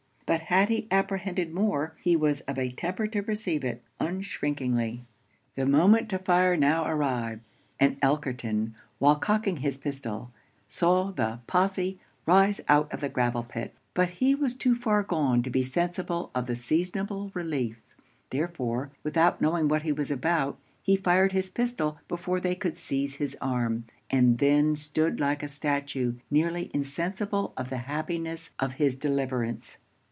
But had he apprehended more, he was of a temper to receive it, unshrinkingly. The moment to fire now arrived; and Elkerton, while cocking his pistol, saw the possé rise out of the gravel pit; but he was too far gone to be sensible of the seasonable relief; therefore, without knowing what he was about, he fired his pistol before they could seize his arm, and then stood like a statue, nearly insensible of the happiness of his deliverance.